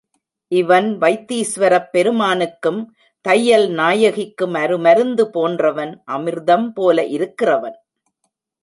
இவன் வைத்தீசுவரப் பெருமானுக்கும் தையல் நாயகிக்கும் அருமருந்து போன்றவன் அமிருதம் போல இருக்கிறவன்.